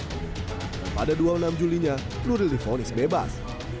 dan pada dua puluh enam julinya nuril difonis bebas